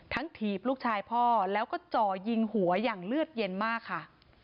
ถีบลูกชายพ่อแล้วก็จ่อยิงหัวอย่างเลือดเย็นมากค่ะ